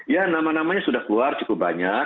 ya nama namanya sudah keluar cukup banyak